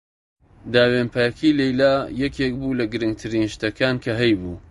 داوێنپاکیی لەیلا یەکێک بوو لە گرنگترین شتەکان کە هەیبوو.